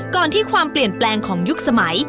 ก่อนที่ความเปลี่ยนแปลงของยุคสมัย